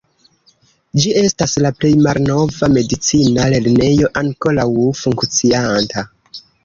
Ĝi estas la plej malnova medicina lernejo ankoraŭ funkcianta.